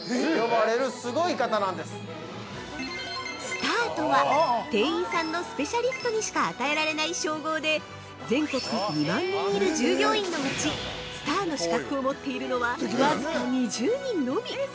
◆スターとは、店員さんのスペシャリストにしか与えられない称号で全国２万人いる従業員のうち、スターの資格を持っているのはわずか２０人のみ！